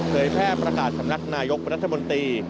แพร่ประกาศสำนักนายกรัฐมนตรี